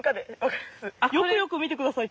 よくよく見てください。